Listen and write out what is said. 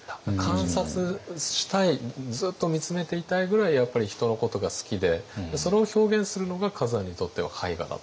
観察したいずっと見つめていたいぐらいやっぱり人のことが好きでそれを表現するのが崋山にとっては絵画だった。